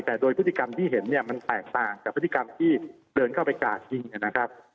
แต่โดยพฤติกรรมที่เห็นเนี่ยมันแตกต่างกับพฤติกรรมที่เดินเข้าไปกาดยิงนะครับ